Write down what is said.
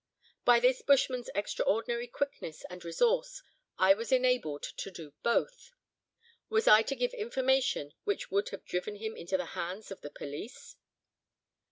By this bushman's extraordinary quickness and resource, I was enabled to do both. Was I to give information which would have driven him into the hands of the police?